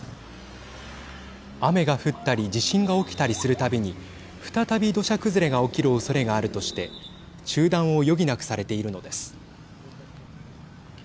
雨が降ったり地震が起きたりするたびに再び土砂崩れが起きるおそれがあるとして中断を余儀なくされているのです。